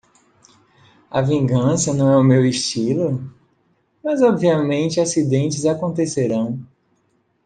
A vingança não é meu estilo?, mas obviamente acidentes acontecerão.